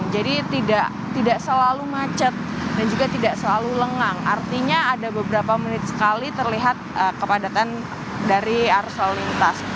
jadi tidak selalu macet dan juga tidak selalu lengang artinya ada beberapa menit sekali terlihat kepadatan dari arus lalu lintas